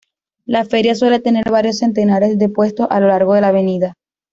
La feria suele tener varios centenares de puestos a lo largo de la avenida.